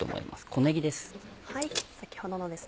小ねぎです。